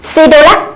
si đô lắc